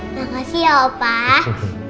makasih ya opah